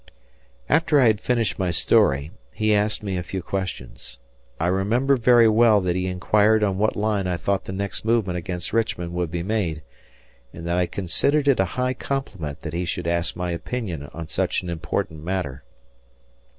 After I had finished my story, he asked me a few questions. I remember very well that he inquired on what line I thought the next movement against Richmond would be made, and that I considered it a high compliment that he should ask my opinion on such an important matter.